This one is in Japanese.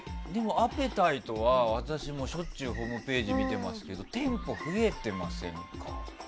あぺたいとは私もしょっちゅうホームページを見てますけど店舗が増えてませんか？